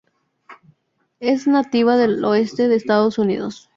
Es nativa del oeste de Estados Unidos.